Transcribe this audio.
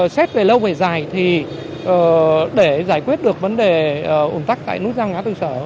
xét về lâu về dài thì để giải quyết được vấn đề ủn tắc tại nút giao ngã tư sở